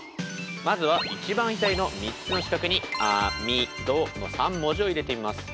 まずは一番左の３つの四角に「あみど」の３文字を入れてみます。